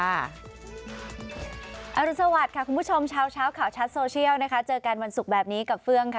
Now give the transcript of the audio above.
รุนสวัสดิ์ค่ะคุณผู้ชมเช้าข่าวชัดโซเชียลนะคะเจอกันวันศุกร์แบบนี้กับเฟื่องค่ะ